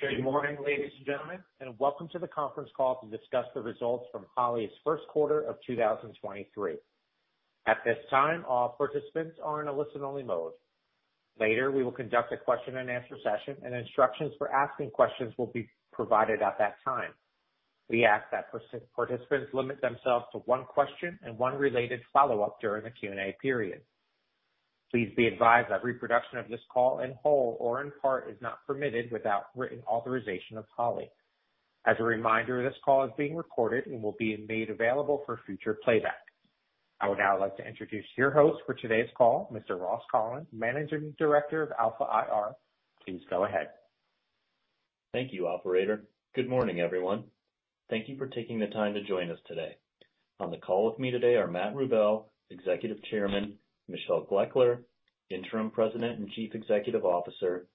Good morning, ladies and gentlemen, and welcome to the conference call to discuss the results from Holley's first quarter of 2023. At this time, all participants are in a listen-only mode. Later, we will conduct a question-and-answer session. Instructions for asking questions will be provided at that time. We ask that participants limit themselves to one question and one related follow-up during the Q&A period. Please be advised that reproduction of this call in whole or in part is not permitted without written authorization of Holley. A reminder, this call is being recorded and will be made available for future playback. I would now like to introduce your host for today's call, Mr. Ross Collins, Managing Director of Alpha IR. Please go ahead. Thank you, operator. Good morning, everyone. Thank you for taking the time to join us today. On the call with me today are Matt Rubel, Executive Chairman, Michelle Gloeckler, Interim President and Chief Executive Officer,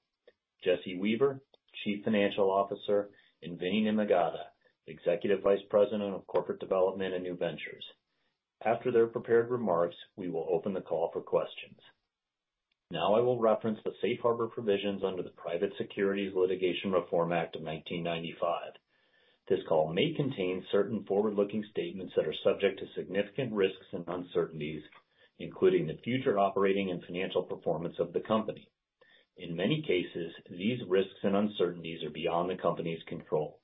Jesse Weaver, Chief Financial Officer, and Vinnie Nimmagadda, Executive Vice President of Corporate Development and New Ventures. After their prepared remarks, we will open the call for questions. Now I will reference the Safe Harbor provisions under the Private Securities Litigation Reform Act of 1995. This call may contain certain forward-looking statements that are subject to significant risks and uncertainties, including the future operating and financial performance of the company. In many cases, these risks and uncertainties are beyond the company's control.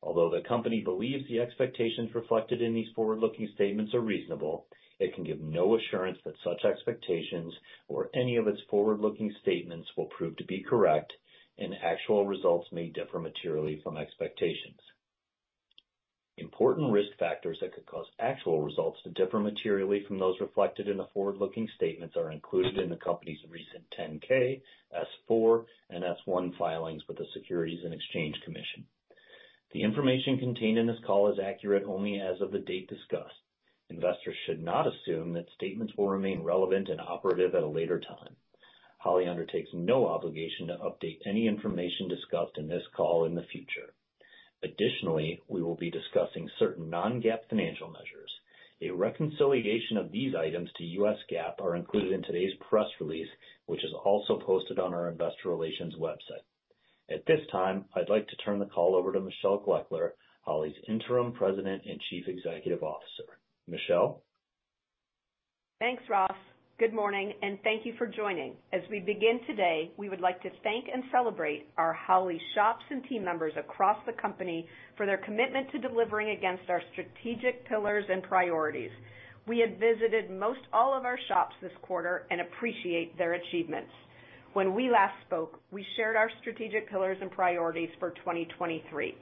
Although the company believes the expectations reflected in these forward-looking statements are reasonable, it can give no assurance that such expectations or any of its forward-looking statements will prove to be correct, and actual results may differ materially from expectations. Important risk factors that could cause actual results to differ materially from those reflected in the forward-looking statements are included in the company's recent 10-K, S-4, and S-1 filings with the Securities and Exchange Commission. The information contained in this call is accurate only as of the date discussed. Investors should not assume that statements will remain relevant and operative at a later time. Holley undertakes no obligation to update any information discussed in this call in the future. Additionally, we will be discussing certain non-GAAP financial measures. A reconciliation of these items to U.S. GAAP are included in today's press release, which is also posted on our investor relations website. At this time, I'd like to turn the call over to Michelle Gloeckler, Holley's Interim President and Chief Executive Officer. Michelle? Thanks, Ross. Good morning. Thank you for joining. As we begin today, we would like to thank and celebrate our Holley shops and team members across the company for their commitment to delivering against our strategic pillars and priorities. We had visited most all of our shops this quarter and appreciate their achievements. When we last spoke, we shared our strategic pillars and priorities for 2023.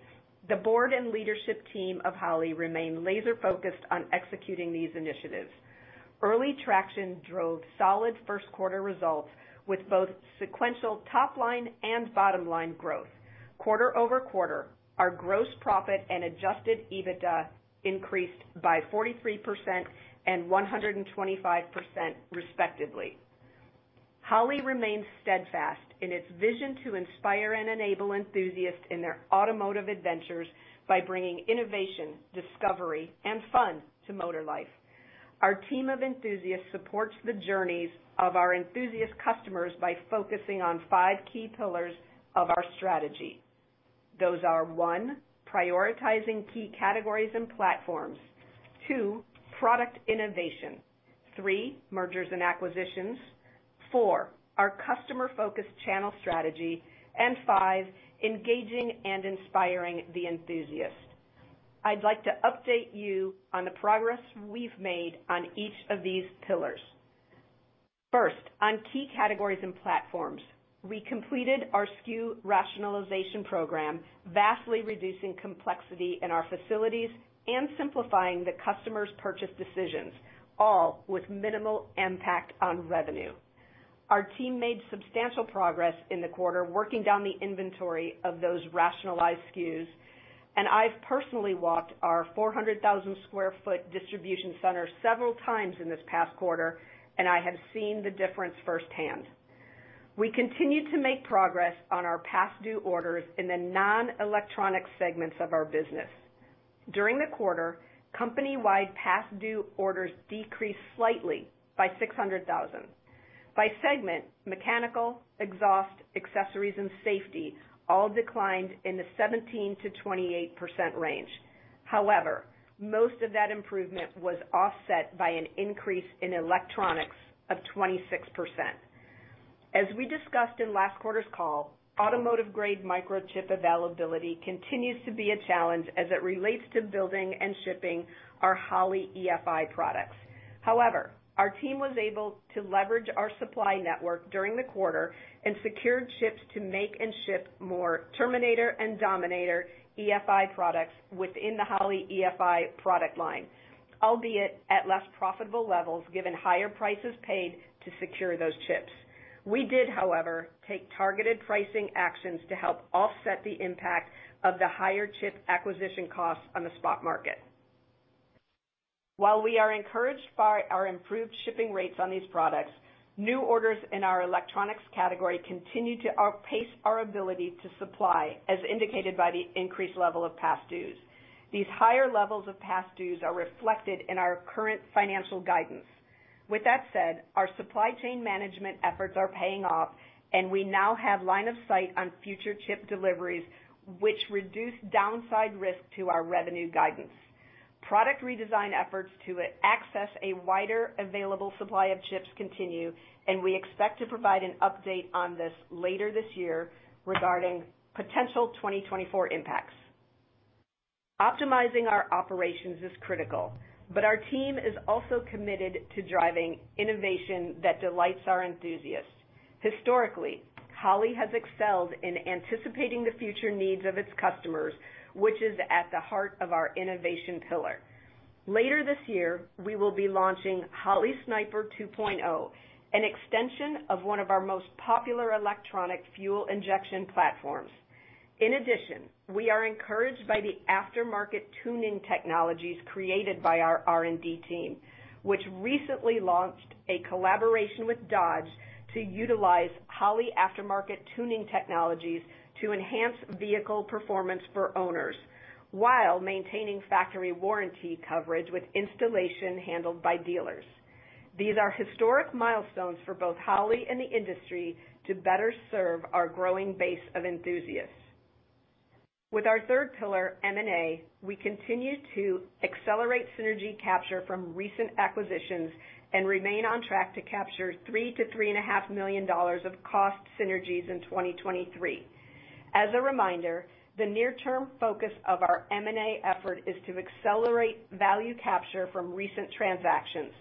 The board and leadership team of Holley remain laser-focused on executing these initiatives. Early traction drove solid first quarter results with both sequential top line and bottom line growth. Quarter-over-quarter, our gross profit and adjusted EBITDA increased by 43% and 125% respectively. Holley remains steadfast in its vision to inspire and enable enthusiasts in their automotive adventures by bringing innovation, discovery, and fun to motor life. Our team of enthusiasts supports the journeys of our enthusiast customers by focusing on five key pillars of our strategy. Those are, one, prioritizing key categories and platforms. Two, product innovation. Three, mergers and acquisitions. Four, our customer-focused channel strategy. Five, engaging and inspiring the enthusiast. I'd like to update you on the progress we've made on each of these pillars. First, on key categories and platforms, we completed our SKU rationalization program, vastly reducing complexity in our facilities and simplifying the customer's purchase decisions, all with minimal impact on revenue. Our team made substantial progress in the quarter, working down the inventory of those rationalized SKUs, and I've personally walked our 400,000 sq ft distribution center several times in this past quarter, and I have seen the difference firsthand. We continue to make progress on our past due orders in the non-electronic segments of our business. During the quarter, company-wide past due orders decreased slightly by $600,000. By segment, mechanical, exhaust, accessories, and safety all declined in the 17%-28% range. However, most of that improvement was offset by an increase in electronics of 26%. As we discussed in last quarter's call, automotive-grade microchip availability continues to be a challenge as it relates to building and shipping our Holley EFI products. However, our team was able to leverage our supply network during the quarter and secured chips to make and ship more Terminator and Dominator EFI products within the Holley EFI product line, albeit at less profitable levels, given higher prices paid to secure those chips. We did, however, take targeted pricing actions to help offset the impact of the higher chip acquisition costs on the spot market. While we are encouraged by our improved shipping rates on these products, new orders in our electronics category continue to outpace our ability to supply, as indicated by the increased level of past dues. These higher levels of past dues are reflected in our current financial guidance. With that said, our supply chain management efforts are paying off. We now have line of sight on future chip deliveries, which reduce downside risk to our revenue guidance. Product redesign efforts to access a wider available supply of chips continue. We expect to provide an update on this later this year regarding potential 2024 impacts. Optimizing our operations is critical. Our team is also committed to driving innovation that delights our enthusiasts. Historically, Holley has excelled in anticipating the future needs of its customers, which is at the heart of our innovation pillar. Later this year, we will be launching Holley Sniper 2.0, an extension of one of our most popular electronic fuel injection platforms. In addition, we are encouraged by the aftermarket tuning technologies created by our R&D team, which recently launched a collaboration with Dodge to utilize Holley aftermarket tuning technologies to enhance vehicle performance for owners while maintaining factory warranty coverage with installation handled by dealers. These are historic milestones for both Holley and the industry to better serve our growing base of enthusiasts. With our third pillar, M&A, we continue to accelerate synergy capture from recent acquisitions and remain on track to capture $3 million-$3.5 million of cost synergies in 2023. As a reminder, the near-term focus of our M&A effort is to accelerate value capture frm recent transactions.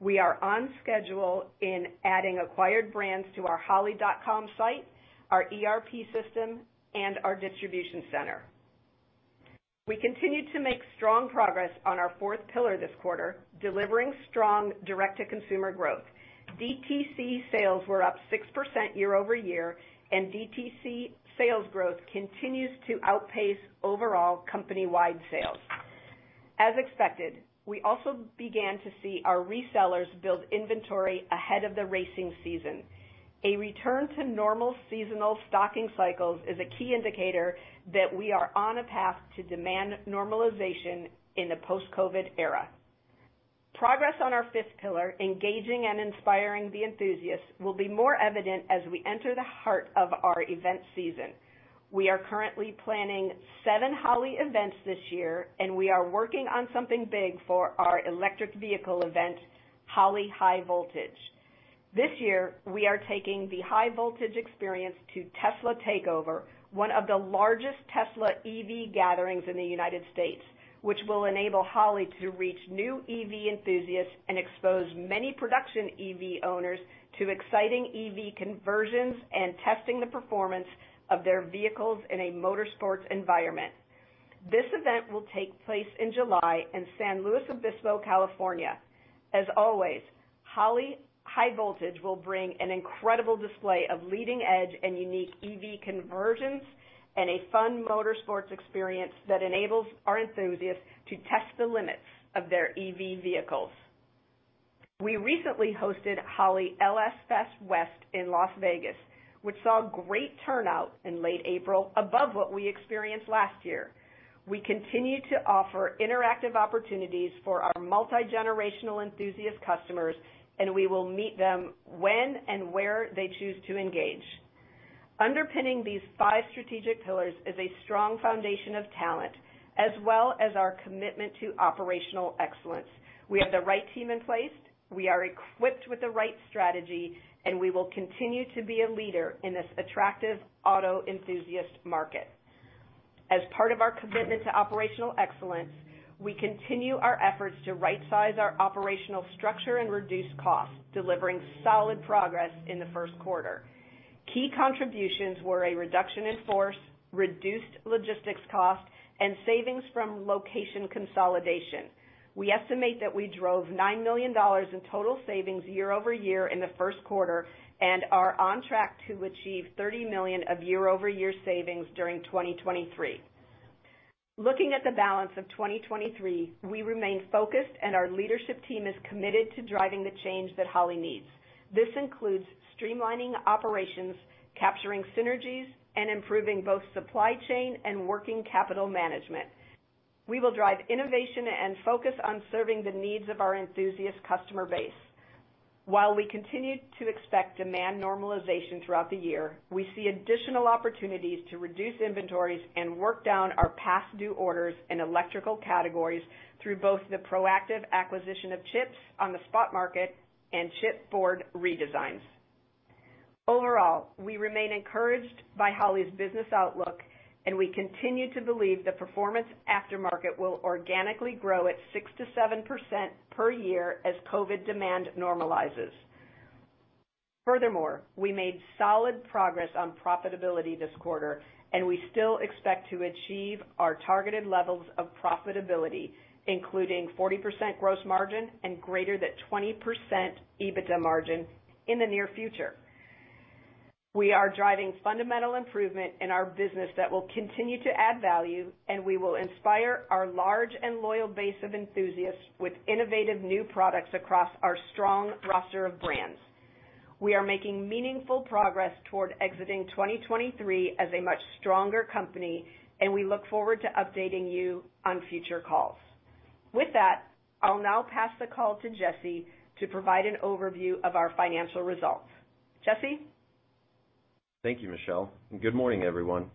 We are on schedule in adding acquired brands to our holley.com site, our ERP system, and our distribution center. We continued to make strong progress on our fourth pillar this quarter, delivering strong direct-to-consumer growth. DTC sales were up 6% year-over-year, and DTC sales growth continues to outpace overall company-wide sales. As expected, we also began to see our resellers build inventory ahead of the racing season. A return to normal seasonal stocking cycles is a key indicator that we are on a path to demand normalization in the post-COVID era. Progress on our fifth pillar, engaging and inspiring the enthusiasts, will be more evident as we enter the heart of our event season. We are currently planning seven Holley events this year, and we are working on something big for our electric vehicle event, Holley High Voltage. This year, we are taking the High Voltage dxperience to Tesla Takeover, one of the largest Tesla EV gatherings in the United States, which will enable Holley to reach new EV enthusiasts and expose many production EV owners to exciting EV conversions and testing the performance of their vehicles in a motorsports environment. This event will take place in July in San Luis Obispo, California. As always, Holley High Voltage will bring an incredible display of leading-edge and unique EV conversions and a fun motorsports experience that enables our enthusiasts to test the limits of their EV vehicles. We recently hosted Holley LS Fest West in Las Vegas, which saw great turnout in late April above what we experienced last year. We continue to offer interactive opportunities for our multigenerational enthusiast customers, we will meet them when and where they choose to engage. Underpinning these five strategic pillars is a strong foundation of talent as well as our commitment to operational excellence. We have the right team in place, we are equipped with the right strategy, and we will continue to be a leader in this attractive auto enthusiast market. As part of our commitment to operational excellence, we continue our efforts to rightsize our operational structure and reduce costs, delivering solid progress in the first quarter. Key contributions were a reduction in force, reduced logistics costs, and savings from location consolidation. We estimate that we drove $9 million in total savings year-over-year in the first quarter and are on track to achieve $30 million of year-over-year savings during 2023. Looking at the balance of 2023, we remain focused, and our leadership team is committed to driving the change that Holley needs. This includes streamlining operations, capturing synergies, and improving both supply chain and working capital management. We will drive innovation and focus on serving the needs of our enthusiast customer base. While we continue to expect demand normalization throughout the year, we see additional opportunities to reduce inventories and work down our past due orders in electrical categories through both the proactive acquisition of chips on the spot market and chip board redesigns. Overall, we remain encouraged by Holley's business outlook, and we continue to believe the performance aftermarket will organically grow at 6% to 7% per year as COVID demand normalizes. Furthermore, we made solid progress on profitability this quarter, and we still expect to achieve our targeted levels of profitability, including 40% gross margin and greater than 20% EBITDA margin in the near future. We are driving fundamental improvement in our business that will continue to add value, and we will inspire our large and loyal base of enthusiasts with innovative new products across our strong roster of brands. We are making meaningful progress toward exiting 2023 as a much stronger company, and we look forward to updating you on future calls. With that, I'll now pass the call to Jesse to provide an overview of our financial results. Jesse? Thank you, Michelle. Good morning, everyone.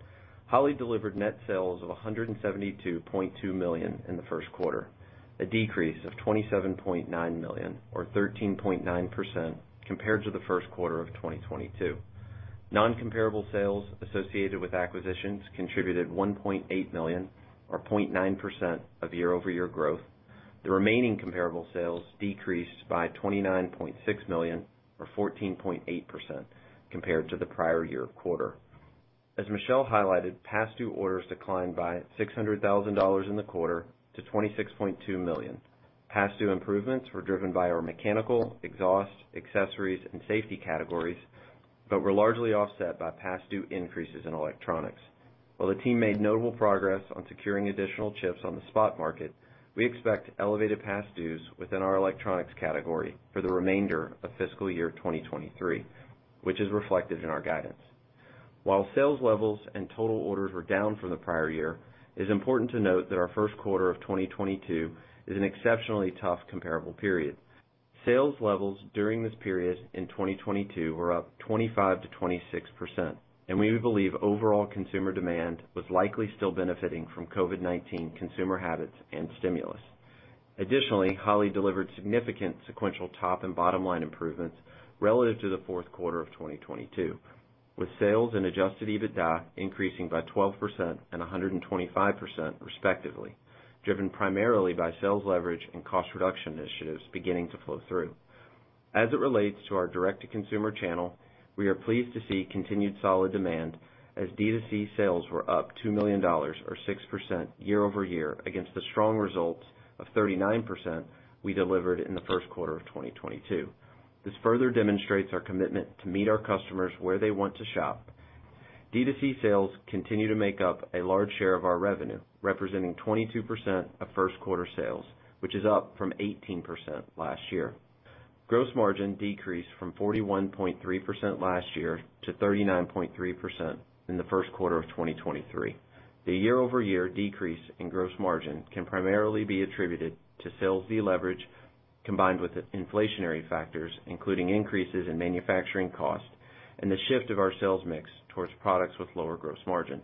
Holley delivered net sales of $172.2 million in the first quarter, a decrease of $27.9 million or 13.9% compared to the first quarter of 2022. Non-comparable sales associated with acquisitions contributed $1.8 million or 0.9% of year-over-year growth. The remaining comparable sales decreased by $29.6 million or 14.8% compared to the prior year quarter. As Michelle highlighted, past due orders declined by $600,000 in the quarter to $26.2 million. Past due improvements were driven by our mechanical, exhaust, accessories, and safety categories, but were largely offset by past due increases in electronics. While the team made notable progress on securing additional chips on the spot market, we expect elevated past dues within our electronics category for the remainder of fiscal year 2023, which is reflected in our guidance. While sales levels and total orders were down from the prior year, it is important to note that our first quarter of 2022 is an exceptionally tough comparable period. Sales levels during this period in 2022 were up 25%-26%, and we believe overall consumer demand was likely still benefiting from COVID-19 consumer habits and stimulus. Holley delivered significant sequential top and bottom line improvements relative to the fourth quarter of 2022, with sales and Adjusted EBITDA increasing by 12% and 125% respectively, driven primarily by sales leverage and cost reduction initiatives beginning to flow through. As it relates to our direct-to-consumer channel, we are pleased to see continued solid demand as D2C sales were up $2 million or 6% year-over-year against the strong results of 39% we delivered in the first quarter of 2022. This further demonstrates our commitment to meet our customers where they want to shop. D2C sales continue to make up a large share of our revenue, representing 22% of first quarter sales, which is up from 18% last year. Gross margin decreased from 41.3% last year to 39.3% in the first quarter of 2023. The year-over-year decrease in gross margin can primarily be attributed to sales deleverage combined with inflationary factors, including increases in manufacturing costs and the shift of our sales mix towards products with lower gross margin.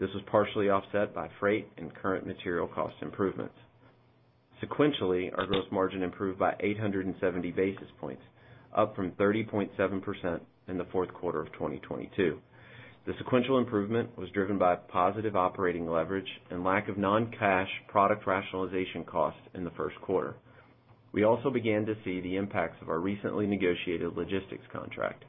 This was partially offset by freight and current material cost improvements. Sequentially, our gross margin improved by 870 basis points, up from 30.7% in the fourth quarter of 2022. The sequential improvement was driven by positive operating leverage and lack of non-cash product rationalization costs in the first quarter. We also began to see the impacts of our recently negotiated logistics contract.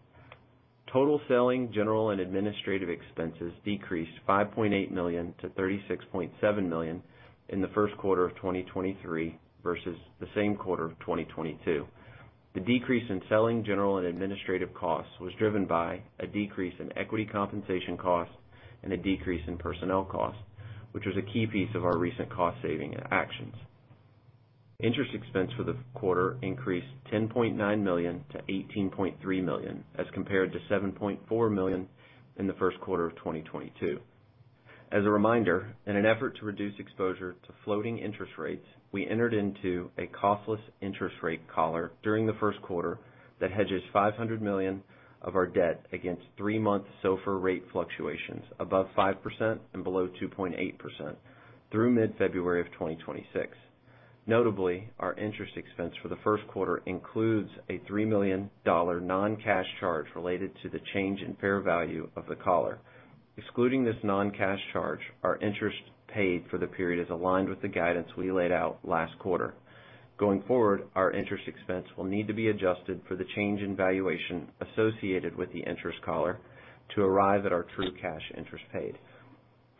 Total selling general and administrative expenses decreased $5.8 million to $36.7 million in the first quarter of 2023 versus the same quarter of 2022. The decrease in selling general and administrative costs was driven by a decrease in equity compensation costs and a decrease in personnel costs, which was a key piece of our recent cost saving actions. Interest expense for the quarter increased $10.9 million to $18.3 million, as compared to $7.4 million in the first quarter of 2022. As a reminder, in an effort to reduce exposure to floating interest rates, we entered into a costless interest rate collar during the first quarter that hedges $500 million of our debt against three-month SOFR rate fluctuations above 5% and below 2.8% through mid-February of 2026. Notably, our interest expense for the first quarter includes a $3 million non-cash charge related to the change in fair value of the collar. Excluding this non-cash charge, our interest paid for the period is aligned with the guidance we laid out last quarter. Going forward, our interest expense will need to be adjusted for the change in valuation associated with the interest collar to arrive at our true cash interest paid.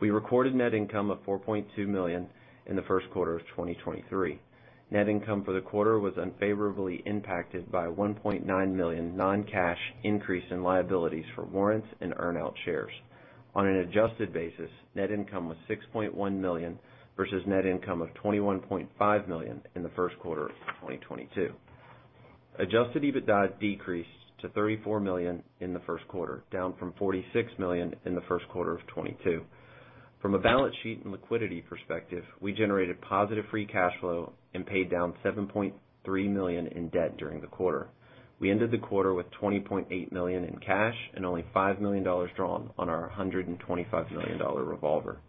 We recorded net income of $4.2 million in the first quarter of 2023. Net income for the quarter was unfavorably impacted by $1.9 million non-cash increase in liabilities for warrants and earn out shares. On an adjusted basis, net income was $6.1 million versus net income of $21.5 million in the first quarter of 2022. Adjusted EBITDA decreased to $34 million in the first quarter, down from $46 million in the first quarter of 2022. From a balance sheet and liquidity perspective, we generated positive free cash flow and paid down $7.3 million in debt during the quarter. We ended the quarter with $20.8 million in cash and only $5 million drawn on our $125 million revolver.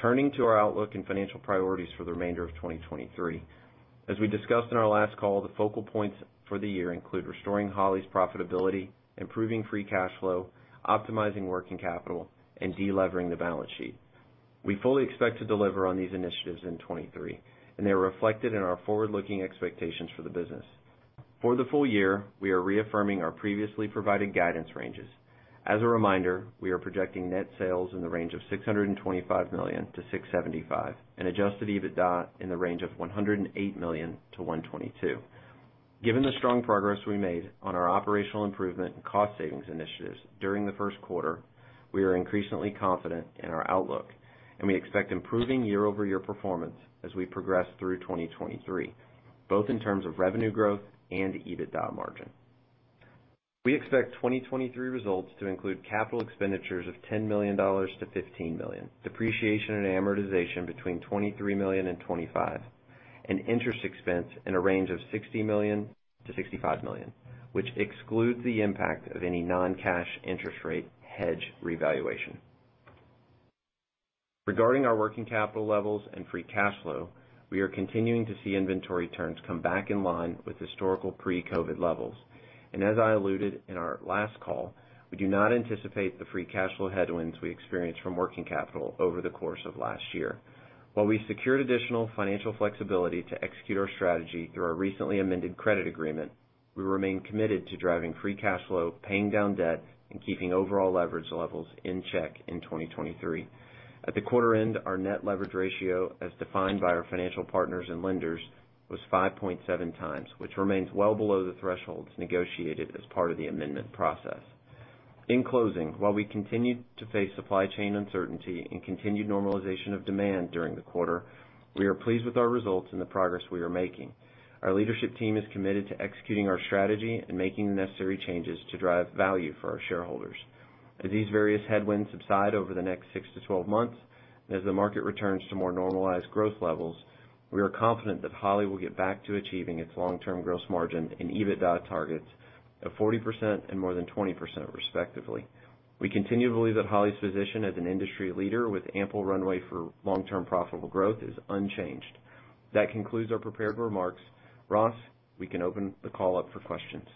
Turning to our outlook and financial priorities for the remainder of 2023, as we discussed in our last call, the focal points for the year include restoring Holley's profitability, improving free cash flow, optimizing working capital, and de-levering the balance sheet. We fully expect to deliver on these initiatives in 2023, and they are reflected in our forward-looking expectations for the business. For the full year, we are reaffirming our previously provided guidance ranges. As a reminder, we are projecting net sales in the range of $625 million-$675 million, and Adjusted EBITDA in the range of $108 million-$122 million. Given the strong progress we made on our operational improvement and cost savings initiatives during the first quarter, we are increasingly confident in our outlook and we expect improving year-over-year performance as we progress through 2023, both in terms of revenue growth and EBITDA margin. We expect 2023 results to include capital expenditures of $10 million-$15 million, depreciation and amortization between $23 million and $25 million, and interest expense in a range of $60 million-$65 million, which excludes the impact of any non-cash interest rate hedge revaluation. Regarding our working capital levels and free cash flow, we are continuing to see inventory turns come back in line with historical pre-COVID levels. As I alluded in our last call, we do not anticipate the free cash flow headwinds we experienced from working capital over the course of last year. While we secured additional financial flexibility to execute our strategy through our recently amended credit agreement, we remain committed to driving free cash flow, paying down debt, and keeping overall leverage levels in check in 2023. At the quarter end, our net leverage ratio, as defined by our financial partners and lenders, was 5.7 times, which remains well below the thresholds negotiated as part of the amendment process. In closing, while we continued to face supply chain uncertainty and continued normalization of demand during the quarter, we are pleased with our results and the progress we are making. Our leadership team is committed to executing our strategy and making the necessary changes to drive value for our shareholders. As these various headwinds subside over the next 6-12 months, as the market returns to more normalized growth levels, we are confident that Holley will get back to achieving its long-term gross margin and EBITDA targets of 40% and more than 20%, respectively. We continue to believe that Holley's position as an industry leader with ample runway for long-term profitable growth is unchanged. That concludes our prepared remarks. Ross, we can open the call up for questions.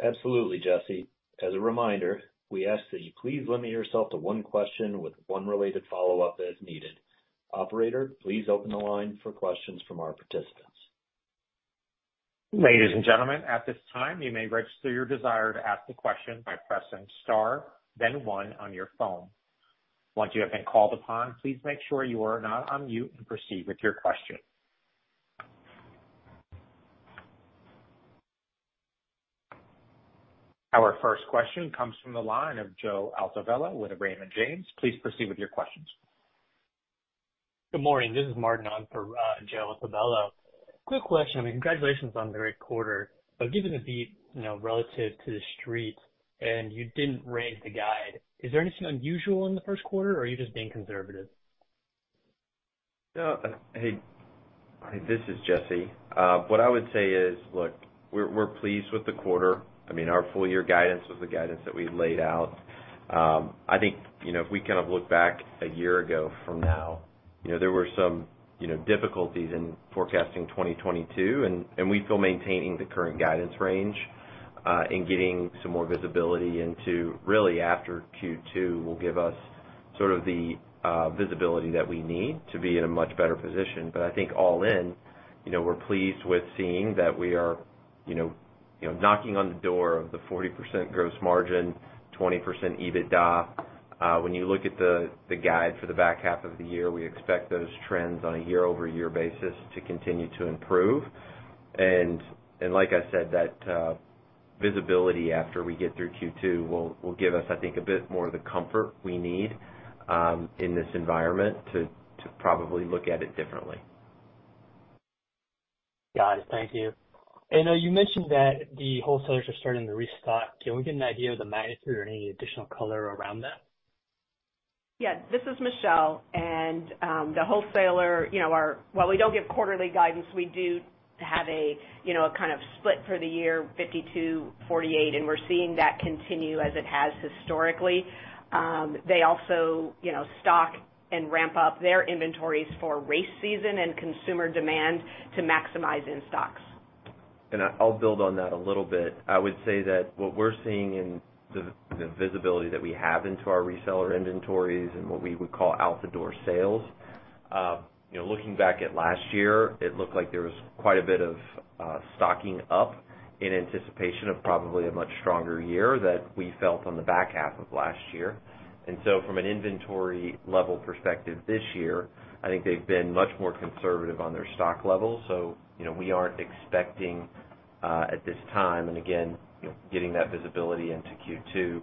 Absolutely, Jesse. As a reminder, we ask that you please limit yourself to one question with one related follow-up as needed. Operator, please open the line for questions from our participants. Ladies and gentlemen, at this time, you may register your desire to ask a question by pressing star then one on your phone. Once you have been called upon, please make sure you are not on mute and proceed with your question. Our first question comes from the line of Joseph Altobello with Raymond James. Please proceed with your questions. Good morning. This is Martin on for Joseph Altobello. Quick question. I mean, congratulations on the great quarter. Given the beat, you know, relative to the street, and you didn't raise the guide, is there anything unusual in the first quarter or are you just being conservative? Hey, this is Jesse. What I would say is, look, we're pleased with the quarter. I mean, our full year guidance was the guidance that we laid out. I think, you know, if we kind of look back a year ago from now, you know, there were some, you know, difficulties in forecasting 2022, and we feel maintaining the current guidance range, and getting some more visibility into really after Q2 will give us sort of the visibility that we need to be in a much better position. I think all in, you know, we're pleased with seeing that we are, you know, knocking on the door of the 40% gross margin, 20% EBITDA. When you look at the guide for the back half of the year, we expect those trends on a year-over-year basis to continue to improve. Like I said, that visibility after we get through Q2 will give us, I think, a bit more of the comfort we need, in this environment to probably look at it differently. Got it. Thank you. You mentioned that the wholesalers are starting to restock. Can we get an idea of the magnitude or any additional color around that? Yeah. This is Michelle, the wholesaler, you know, while we don't give quarterly guidance, we do have a, you know, a kind of split for the year 52/48. We're seeing that continue as it has historically. They also, you know, stock and ramp up their inventories for race season and consumer demand to maximize in stocks. I'll build on that a little bit. I would say that what we're seeing in the visibility that we have into our reseller inventories and what we would call out the door sales, you know, looking back at last year, it looked like there was quite a bit of stocking up in anticipation of probably a much stronger year that we felt on the back half of last year. From an inventory level perspective this year, I think they've been much more conservative on their stock levels. You know, we aren't expecting at this time, and again, you know, getting that visibility into Q2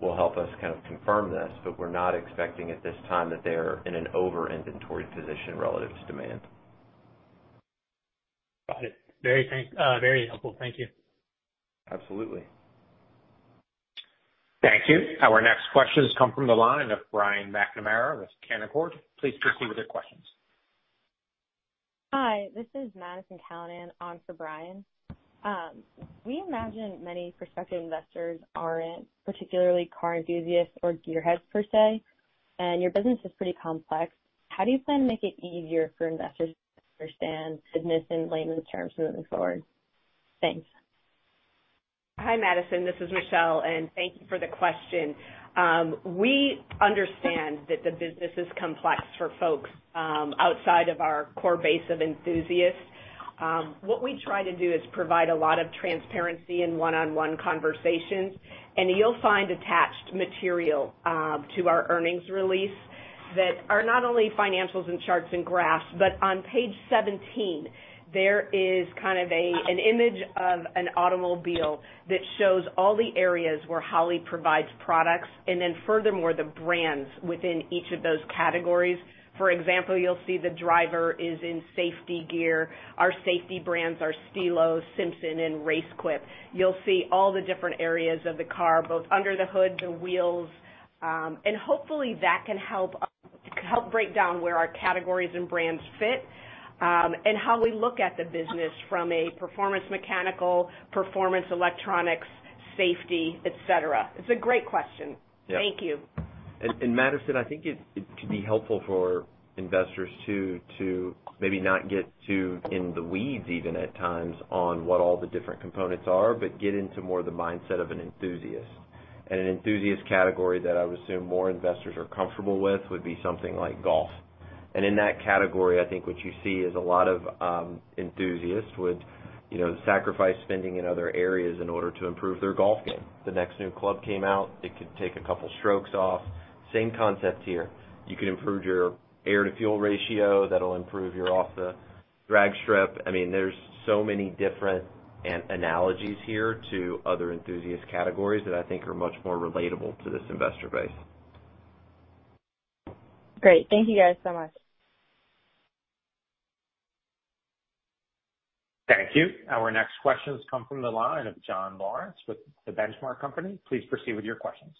will help us kind of confirm this, but we're not expecting at this time that they're in an over inventory position relative to demand. Got it. Very helpful. Thank you. Absolutely. Thank you. Our next questions come from the line of Brian McNamara with Canaccord. Please proceed with your questions. Hi, this is Madison Callinan on for Brian. We imagine many prospective investors aren't particularly car enthusiasts or gearheads per se, and your business is pretty complex. How do you plan to make it easier for investors to understand business in layman's terms moving forward? Thanks. Hi, Madison, this is Michelle. Thank you for the question. We understand that the business is complex for folks outside of our core base of enthusiasts. What we try to do is provide a lot of transparency in one-on-one conversations. You'll find attached material to our earnings release that are not only financials and charts and graphs, but on page 17, there is kind of an image of an automobile that shows all the areas where Holley provides products. Furthermore, the brands within each of those categories. For example, you'll see the driver is in safety gear. Our safety brands are Stilo, Simpson, and RaceQuip. You'll see all the different areas of the car, both under the hood, the wheels, and hopefully that can help break down where our categories and brands fit, and how we look at the business from a performance mechanical, performance electronics, safety, et cetera. It's a great question. Yeah. Thank you. Madison, I think it could be helpful for investors too, to maybe not get too in the weeds, even at times, on what all the different components are, but get into more the mindset of an enthusiast. An enthusiast category that I would assume more investors are comfortable with would be something like golf. In that category, I think what you see is a lot of enthusiasts would, you know, sacrifice spending in other areas in order to improve their golf game. The next new club came out, it could take a couple strokes off. Same concepts here. You can improve your air to fuel ratio, that'll improve your off the drag strip. I mean, there's so many different analogies here to other enthusiast categories that I think are much more relatable to this investor base. Great. Thank you guys so much. Thank you. Our next question comes from the line of John Lawrence with The Benchmark Company. Please proceed with your questions.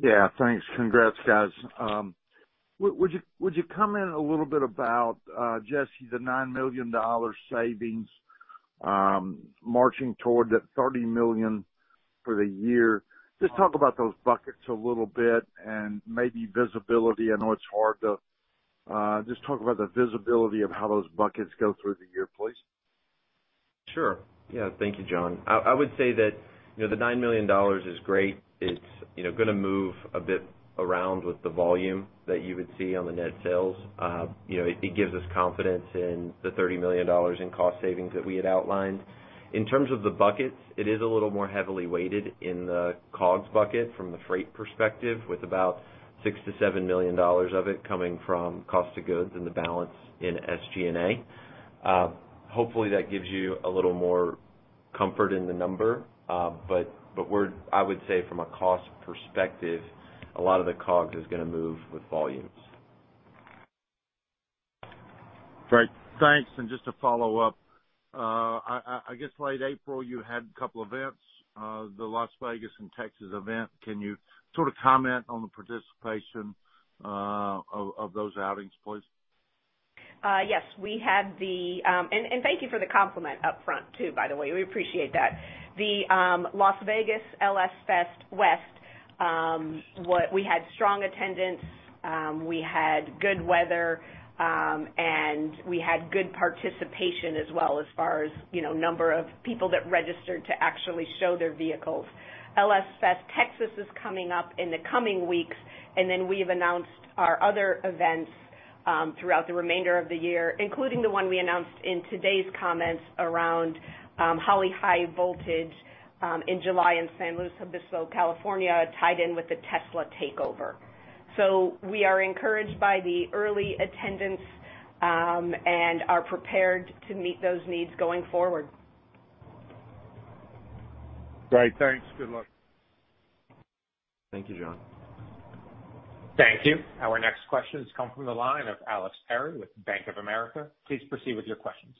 Yeah, thanks. Congrats, guys. Would you comment a little bit about Jesse, the $9 million savings, marching towards that $30 million for the year? Just talk about those buckets a little bit and maybe visibility. I know it's hard to, just talk about the visibility of how those buckets go through the year, please. Sure. Yeah. Thank you, John. I would say that, you know, the $9 million is great. It's, you know, gonna move a bit around with the volume that you would see on the net sales. You know, it gives us confidence in the $30 million in cost savings that we had outlined. In terms of the buckets, it is a little more heavily weighted in the COGS bucket from the freight perspective, with about $6 million-$7 million of it coming from cost of goods and the balance in SG&A. Hopefully, that gives you a little more comfort in the number. I would say from a cost perspective, a lot of the COGS is gonna move with volumes. Great. Thanks. Just to follow up, I guess late April, you had a couple events, the Las Vegas and Texas event. Can you sort of comment on the participation of those outings, please? Yes. We had the, and thank you for the compliment upfront too, by the way. We appreciate that. The Las Vegas LS Fest West, we had strong attendance, we had good weather, and we had good participation as well as far as, you know, number of people that registered to actually show their vehicles. LS Fest Texas is coming up in the coming weeks, and then we've announced our other events throughout the remainder of the year, including the one we announced in today's comments around Holley High Voltage in July in San Luis Obispo, California, tied in with the Tesla Takeover. We are encouraged by the early attendance, and are prepared to meet those needs going forward. Great. Thanks. Good luck. Thank you, John. Thank you. Our next question has come from the line of Alex Perry with Bank of America. Please proceed with your questions.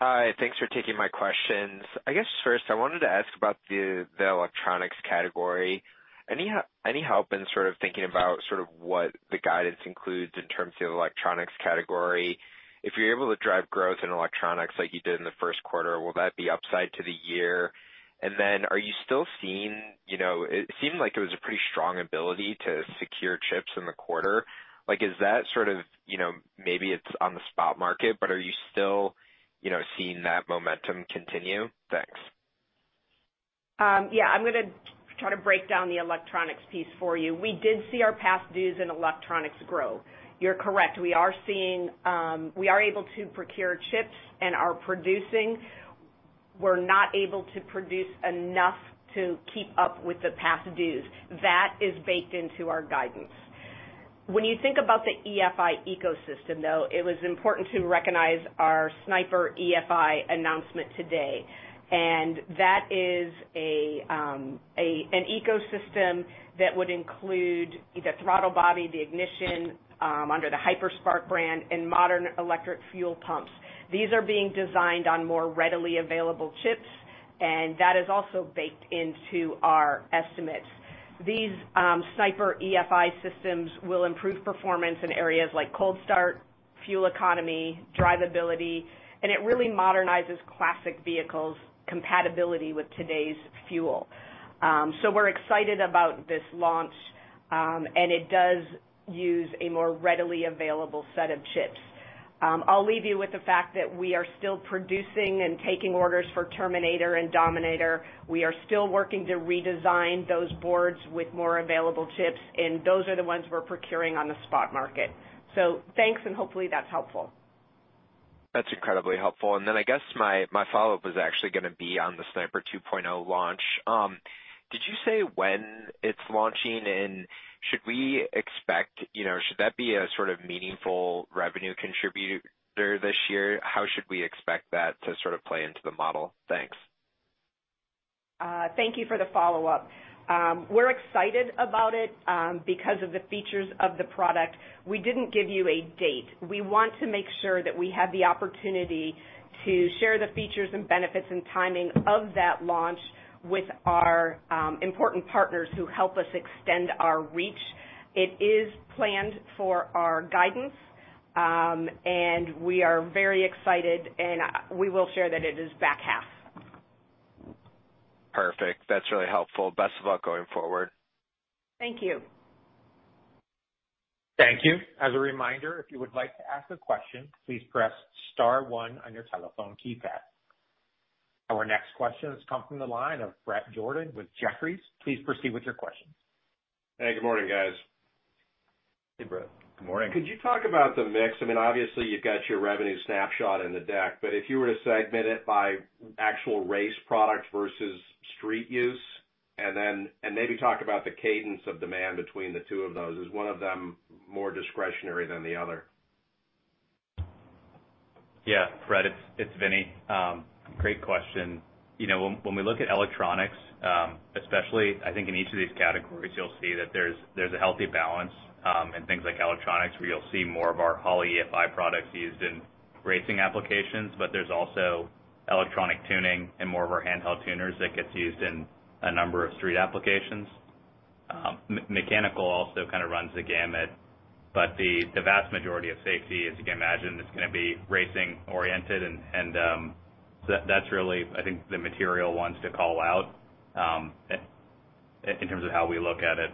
Hi. Thanks for taking my questions. I guess first, I wanted to ask about the electronics category. Any help in sort of thinking about sort of what the guidance includes in terms of electronics category? If you're able to drive growth in electronics like you did in the first quarter, will that be upside to the year? Are you still seeing, you know, it seemed like it was a pretty strong ability to secure chips in the quarter. Like, is that sort of, you know, maybe it's on the spot market? Are you still, you know, seeing that momentum continue? Thanks. I'm gonna try to break down the electronics piece for you. We did see our past dues in electronics grow. You're correct. We are seeing, we are able to procure chips and are producing. We're not able to produce enough to keep up with the past dues. That is baked into our guidance. When you think about the EFI ecosystem, though, it was important to recognize our Sniper EFI announcement today. That is a, an ecosystem that would include the throttle body, the ignition, under the HyperSpark brand and modern electric fuel pumps. These are being designed on more readily available chips, and that is also baked into our estimates. These, Sniper EFI systems will improve performance in areas like cold start, fuel economy, drivability, and it really modernizes classic vehicles compatibility with today's fuel. We're excited about this launch, and it does use a more readily available set of chips. I'll leave you with the fact that we are still producing and taking orders for Terminator and Dominator. We are still working to redesign those boards with more available chips, and those are the ones we're procuring on the spot market. Thanks, and hopefully that's helpful. That's incredibly helpful. I guess my follow-up was actually gonna be on the Sniper 2.0 launch. Did you say when it's launching, and should we expect, you know, should that be a sort of meaningful revenue contributor this year? How should we expect that to sort of play into the model? Thanks. Thank you for the follow-up. We're excited about it, because of the features of the product. We didn't give you a date. We want to make sure that we have the opportunity to share the features and benefits and timing of that launch with our important partners who help us extend our reach. It is planned for our guidance, and we are very excited and we will share that it is back half. Perfect. That's really helpful. Best of luck going forward. Thank you. Thank you. As a reminder, if you would like to ask a question, please press star one on your telephone keypad. Our next question has come from the line of Bret Jordan with Jefferies. Please proceed with your question. Hey, good morning, guys. Hey, Bret. Good morning. Could you talk about the mix? I mean, obviously, you've got your revenue snapshot in the deck, but if you were to segment it by actual race product versus street use, and maybe talk about the cadence of demand between the two of those. Is one of them more discretionary than the other? Yeah, Bret, it's Vinnie. Great question. You know, when we look at electronics, especially I think in each of these categories, you'll see that there's a healthy balance in things like electronics, where you'll see more of our Holley EFI products used in racing applications, but there's also electronic tuning and more of our handheld tuners that gets used in a number of street applications. Mechanical also kind of runs the gamut, but the vast majority of safety, as you can imagine, is gonna be racing oriented and, so that's really, I think, the material ones to call out, in terms of how we look at it.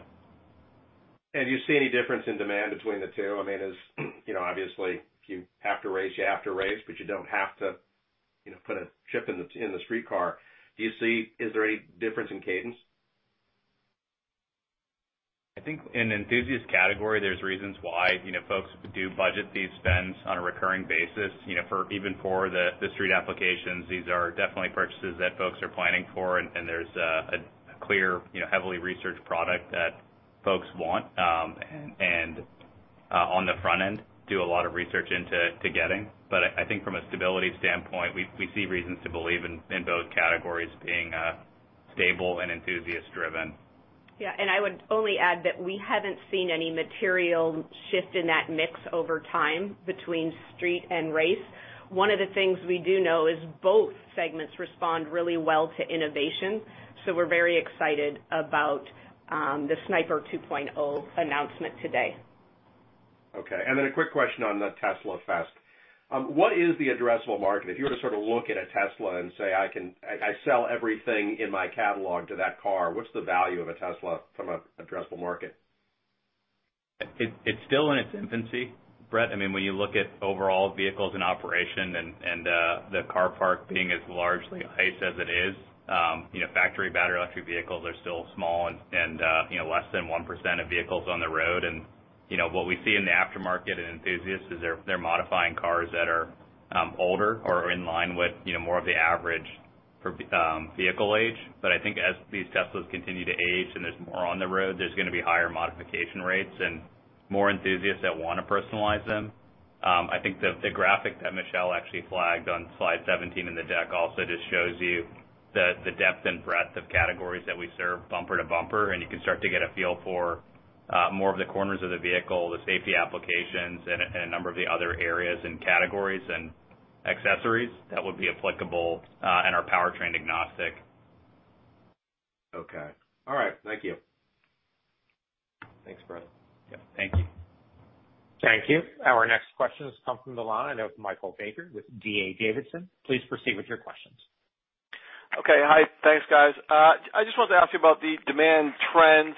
Do you see any difference in demand between the two? I mean, as, you know, obviously, if you have to race, you have to race, but you don't have to, you know, put a chip in the, in the street car. Is there any difference in cadence? I think in enthusiast category, there's reasons why, you know, folks do budget these spends on a recurring basis, you know, even for the street applications. These are definitely purchases that folks are planning for, and there's a clear, you know, heavily researched product that folks want, and on the front end, do a lot of research into to getting. I think from a stability standpoint, we see reasons to believe in both categories being stable and enthusiast driven. Yeah. I would only add that we haven't seen any material shift in that mix over time between street and race. One of the things we do know is both segments respond really well to innovation, so we're very excited about the Sniper 2.0 announcement today. Okay. A quick question on the Tesla fest. What is the addressable market? If you were to sort of look at a Tesla and say, "I sell everything in my catalog to that car," what's the value of a Tesla from a addressable market? It's still in its infancy, Bret. I mean, when you look at overall vehicles in operation and the car park being as largely iced as it is, you know, factory battery electric vehicles are still small and, you know, less than 1% of vehicles on the road. You know, what we see in the aftermarket and enthusiasts is they're modifying cars that are older or in line with, you know, more of the average for vehicle age. I think as these Teslas continue to age and there's more on the road, there's gonna be higher modification rates and more enthusiasts that wanna personalize them. I think the graphic that Michelle actually flagged on slide 17 in the deck also just shows you the depth and breadth of categories that we serve bumper to bumper, and you can start to get a feel for more of the corners of the vehicle, the safety applications and a number of the other areas and categories and accessories that would be applicable and are powertrain agnostic. Okay. All right. Thank you. Thanks, Bret. Yeah. Thank you. Thank you. Our next question has come from the line of Michael Baker with D.A. Davidson. Please proceed with your questions. Okay. Hi. Thanks, guys. I just wanted to ask you about the demand trends.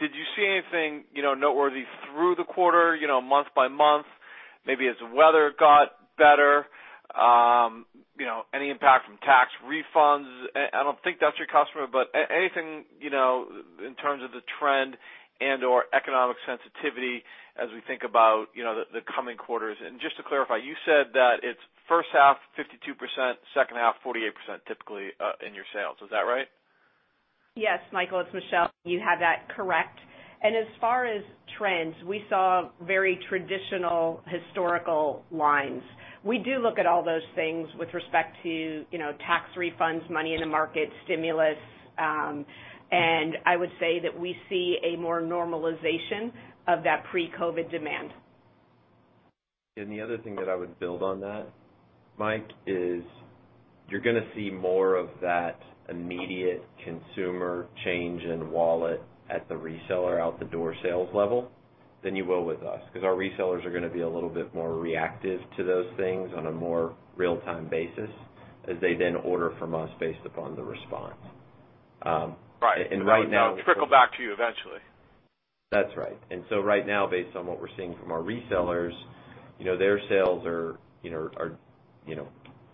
Did you see anything, you know, noteworthy through the quarter, you know, month by month, maybe as weather got better, you know, any impact from tax refunds? I don't think that's your customer, but anything, you know, in terms of the trend and/or economic sensitivity as we think about, you know, the coming quarters. Just to clarify, you said that it's first half 52%, second half 48% typically, in your sales. Is that right? Yes, Michael, it's Michelle. You have that correct. As far as trends, we saw very traditional historical lines. We do look at all those things with respect to, you know, tax refunds, money in the market, stimulus, I would say that we see a more normalization of that pre-COVID demand. The other thing that I would build on that, Mike, is you're gonna see more of that immediate consumer change in wallet at the reseller out the door sales level than you will with us, 'cause our resellers are gonna be a little bit more reactive to those things on a more real-time basis as they then order from us based upon the response. Right. It'll trickle back to you eventually. That's right. Right now, based on what we're seeing from our resellers, you know, their sales are, you know,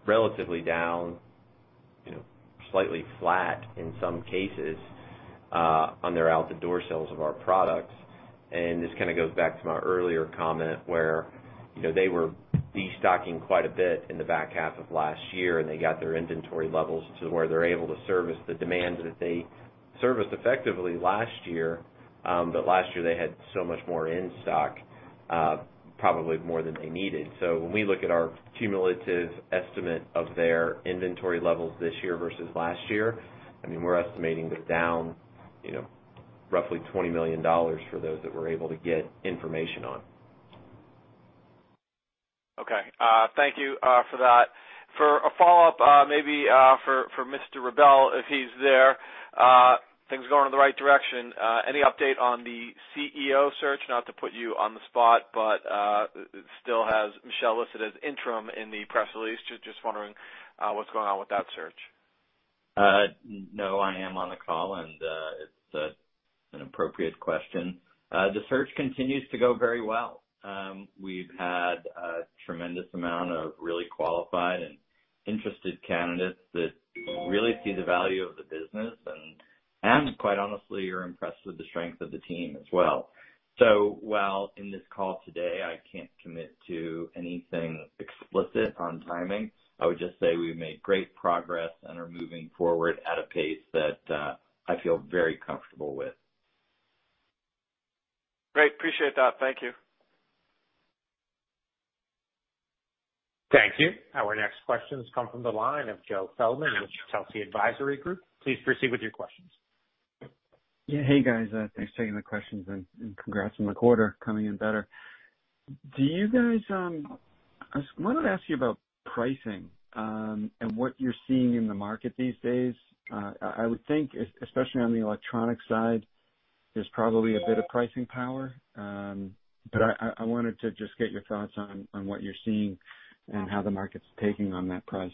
relatively down. You know, slightly flat in some cases, on their out the door sales of our products. This kind of goes back to my earlier comment where, you know, they were destocking quite a bit in the back half of last year, and they got their inventory levels to where they're able to service the demand that they serviced effectively last year. Last year they had so much more in stock, probably more than they needed. When we look at our cumulative estimate of their inventory levels this year versus last year, I mean, we're estimating that down, you know, roughly $20 million for those that we're able to get information on. Okay. Thank you for that. For a follow-up, maybe for Mr. Rubel, if he's there. Things are going in the right direction. Any update on the CEO search? Not to put you on the spot, but it still has Michelle listed as interim in the press release. Just wondering what's going on with that search. No, I am on the call, it's an appropriate question. The search continues to go very well. We've had a tremendous amount of really qualified and interested candidates that really see the value of the business and quite honestly, are impressed with the strength of the team as well. While in this call today, I can't commit to anything explicit on timing, I would just say we've made great progress and are moving forward at a pace that I feel very comfortable with. Great. Appreciate that. Thank you. Thank you. Our next questions come from the line of Joe Feldman with Telsey Advisory Group. Please proceed with your questions. Hey, guys. Thanks for taking the questions and congrats on the quarter coming in better. I just wanted to ask you about pricing and what you're seeing in the market these days. I would think, especially on the electronic side, there's probably a bit of pricing power. I wanted to just get your thoughts on what you're seeing and how the market's taking on that price.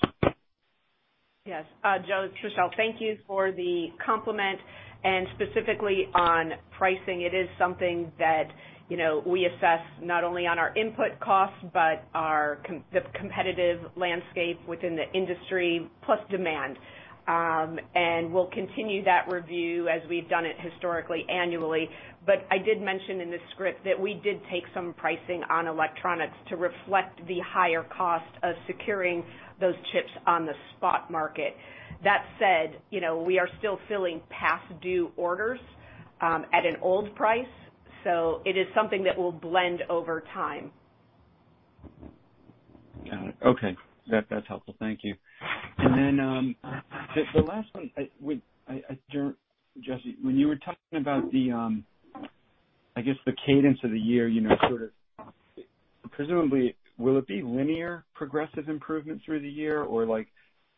Yes. Joe, it's Michelle. Thank you for the compliment and specifically on pricing. It is something that, you know, we assess not only on our input costs, but our the competitive landscape within the industry plus demand. We'll continue that review as we've done it historically, annually. I did mention in the script that we did take some pricing on electronics to reflect the higher cost of securing those chips on the spot market. That said, you know, we are still filling past due orders at an old price. It is something that will blend over time. Got it. Okay. That, that's helpful. Thank you. Then, the last one, Jesse, when you were talking about the, I guess, the cadence of the year, you know, sort of presumably, will it be linear progressive improvement through the year? Like,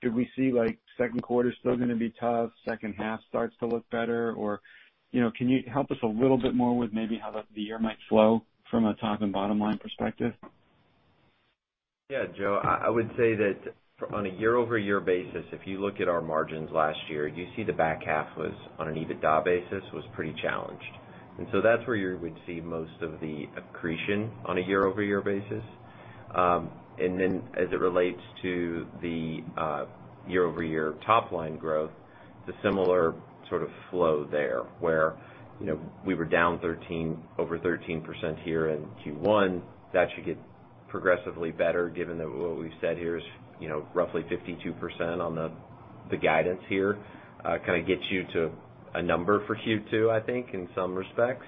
do we see like second quarter still gonna be tough, second half starts to look better? You know, can you help us a little bit more with maybe how the year might flow from a top and bottom line perspective? Yeah. Joe, I would say that on a year-over-year basis, if you look at our margins last year, you see the back half was on an EBITDA basis, was pretty challenged. That's where you would see most of the accretion on a year-over-year basis. As it relates to the year-over-year top line growth, it's a similar sort of flow there, where, you know, we were down over 13% here in Q1. That should get progressively better given that what we've said here is, you know, roughly 52% on the guidance here, kinda gets you to a number for Q2, I think, in some respects.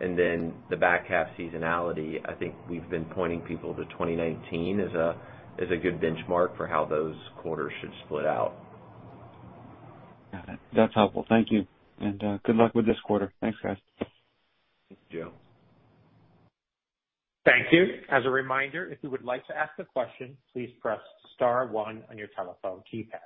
The back half seasonality, I think we've been pointing people to 2019 as a good benchmark for how those quarters should split out. Got it. That's helpful. Thank you. Good luck with this quarter. Thanks, guys. Thank you. Thank you. As a reminder, if you would like to ask a question, please press star one on your telephone keypad.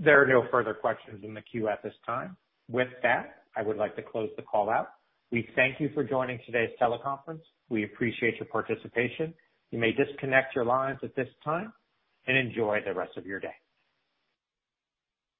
There are no further questions in the queue at this time. With that, I would like to close the call out. We thank you for joining today's teleconference. We appreciate your participation. You may disconnect your lines at this time, and enjoy the rest of your day.